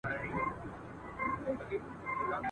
فیصله د خلقت وکړه د انسان ..